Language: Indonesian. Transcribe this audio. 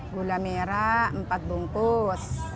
gula merah empat bungkus